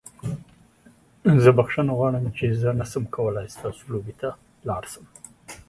زه بخښنه غواړم چې زه نشم کولی ستاسو لوبې ته لاړ شم.